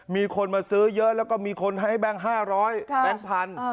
มีคนมาซื้อเยอะแล้วก็มีคนให้แบงค์๕๐๐แบงค์พัน